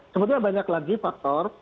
sebetulnya banyak lagi faktor